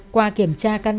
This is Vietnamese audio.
qua kiểm tra căn bộ